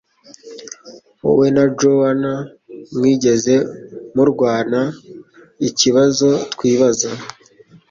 Wowe na Joan mwigeze murwanaikibazo twibaza